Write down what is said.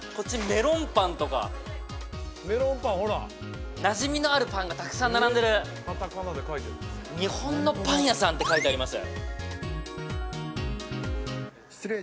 メロンパンとかメロンパンほらなじみのあるパンがたくさん並んでる「日本のパン屋さん」って書いてあります